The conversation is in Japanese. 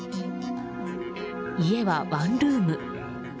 家はワンルーム。